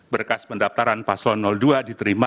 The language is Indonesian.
berkas pendaftaran paslon dua diterima